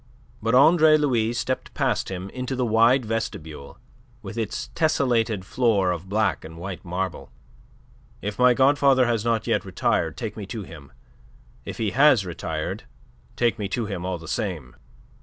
But Andre Louis stepped past him into the wide vestibule, with its tessellated floor of black and white marble. "If my godfather has not yet retired, take me to him. If he has retired, take me to him all the same."